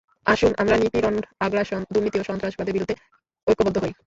আসুন আমরা নিপীড়ন, আগ্রাসন, দুর্নীতি ও সন্ত্রাসবাদের বিরুদ্ধে এক্যবদ্ধ হই।